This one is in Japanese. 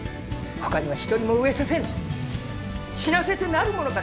ほかには一人も飢えさせぬ死なせてなるものか！